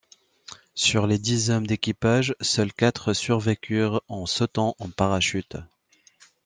Sur les dix hommes d'équipage, seuls quatre survécurent en sautant en parachute.